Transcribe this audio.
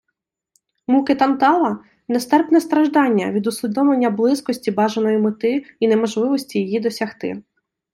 Муки Тантала — нестерпне страждання від усвідомлення близькості бажаної мети і неможливості її досягти